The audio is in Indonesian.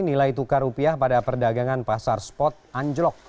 nilai tukar rupiah pada perdagangan pasar spot anjlok